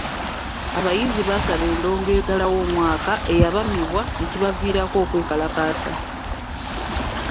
Abayizi baasaba endongo eggalawo omwaka eyabammibwa ne kibaviirako okwekalakaasa.